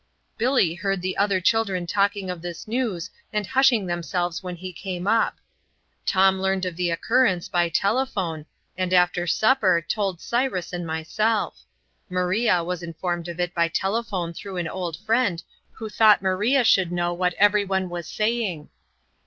Billy heard the other children talking of this news and hushing themselves when he came up. Tom learned of the occurrence by a telephone, and, after supper, told Cyrus and myself; Maria was informed of it by telephone through an old friend who thought Maria should know of what every one was saying.